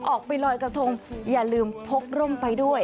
ออกไปลอยกระทงอย่าลืมพกร่มไปด้วย